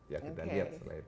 ya kita lihat setelah itu